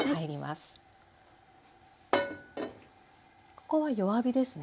ここは弱火ですね？